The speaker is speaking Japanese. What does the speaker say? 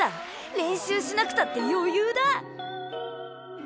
練習しなくたってよゆうだ！